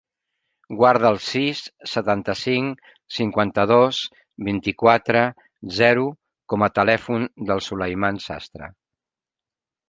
Guarda el sis, setanta-cinc, cinquanta-dos, vint-i-quatre, zero com a telèfon del Sulaiman Sastre.